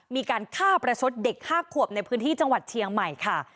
มีการฆ่าประชดเด็ก๕ขวบในพื้นที่จังหวัดเชียงใหม่ค่ะ